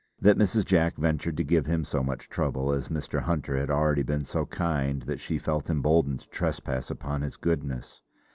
That Mrs. Jack ventured to give him so much trouble, as Mr. Hunter had been already so kind that she felt emboldened to trespass upon his goodness.